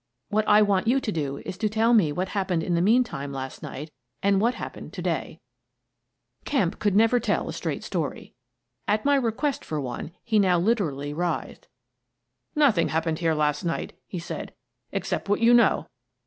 What I want you to do is to tell me what happened in the meantime last night and what happened to day." ioo Miss Frances Baird, Detective Kemp never could tell a straight story. At my re quest for one, he now literally writhed. "Nothing happened here last night," he said, " except what you know."